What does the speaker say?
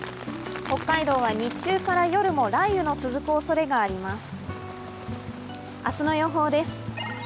北海道は日中から夜も雷雨が続くおそれがあります。